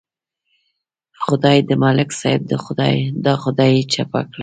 خدای دې د ملک صاحب دا خدایي چپه کړي.